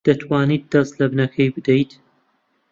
دەتوانیت دەست لە بنەکەی بدەیت؟